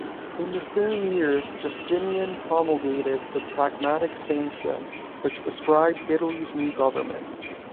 In the same year, Justinian promulgated the Pragmatic Sanction which prescribed Italy's new government.